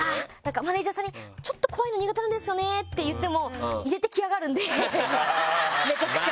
マネジャーさんにちょっとこういうの苦手なんですよねって言っても入れてきやがるんでめちゃくちゃ。